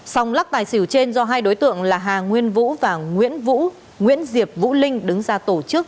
xong lắc tài xỉu trên do hai đối tượng là hà nguyên vũ và nguyễn diệp vũ linh đứng ra tổ chức